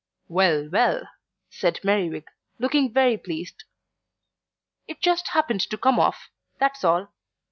"Well, well," said Merriwig, looking very pleased. "It just happened to come off, that's all.